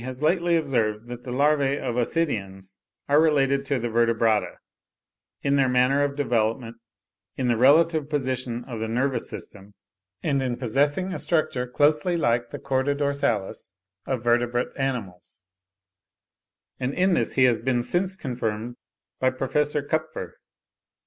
has lately observed that the larvae of Ascidians are related to the Vertebrata, in their manner of development, in the relative position of the nervous system, and in possessing a structure closely like the chorda dorsalis of vertebrate animals; and in this he has been since confirmed by Prof. Kupffer.